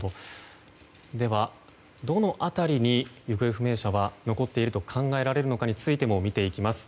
では、どの辺りに行方不明者が残っているか考えられるかについても見ていきます。